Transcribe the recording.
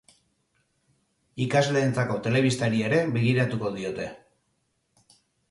Ikasleentzako telebistari ere begiratuko diote.